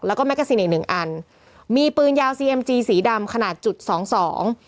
แล้วก็แกซินอีกหนึ่งอันมีปืนยาวซีเอ็มจีสีดำขนาดจุดสองสอง